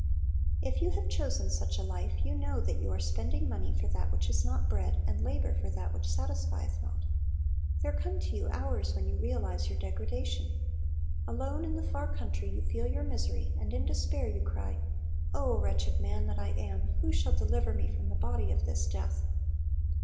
If you have chosen such a life, you know that you are spending money for that which is not bread, and labor for that which satisfieth not. There come to you hours when you realize your degradation. Alone in the far country, you feel your misery, and in despair you cry, "O wretched man that I am! who shall deliver me from the body of this death?"'